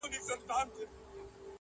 کلونه کېږي د بلا په نامه شپه ختلې٫